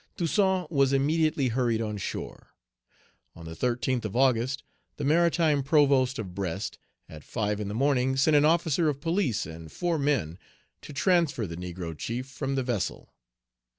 Toussaint was immediately hurried on shore. On the 13th of August, the maritime provost of Brest, at five in the morning, sent an officer of police and four men to transfer the negro chief from the vessel.